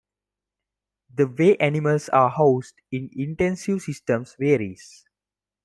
The way animals are housed in intensive systems varies.